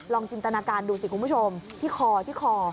จินตนาการดูสิคุณผู้ชมที่คอที่คอ